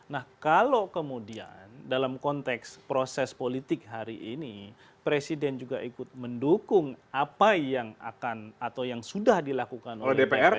nah kalau kemudian dalam konteks proses politik hari ini presiden juga ikut mendukung apa yang akan atau yang sudah dilakukan oleh dpr